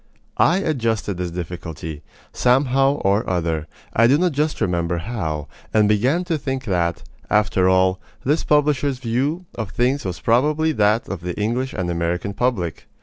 I adjusted this difficulty, somehow or other I do not just remember how and began to think that, after all, this publisher's view of things was probably that of the English and American public.